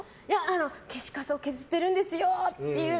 消しカスを削ってるんですよっていう。